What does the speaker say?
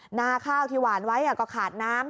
หน้าข้าวที่หวานไว้ก็ขาดน้ำ